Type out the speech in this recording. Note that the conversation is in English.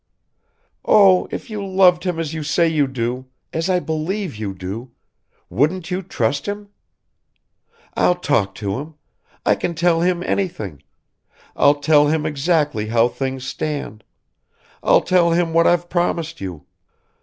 "Oh, if you loved him as you say you do ... as I believe you do ... wouldn't you trust him? I'll talk to him. I can tell him anything. I'll tell him exactly how things stand. I'll tell him what I've promised you.